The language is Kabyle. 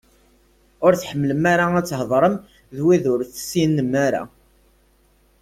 Ur tḥemmlem ara ad theḍṛem d wid ur tessinem ara?